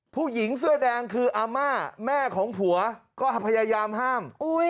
ผู้หญิงเสื้อแดงคืออาม่าแม่ของผัวก็พยายามห้าม